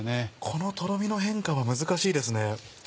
このトロミの変化は難しいですね。